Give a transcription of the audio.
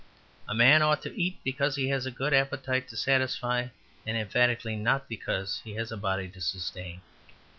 A man ought to eat because he has a good appetite to satisfy, and emphatically not because he has a body to sustain.